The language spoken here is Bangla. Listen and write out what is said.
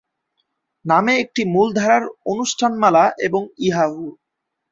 নামে একটি মূল ধারার অনুষ্ঠানমালা এবং ইয়াহু!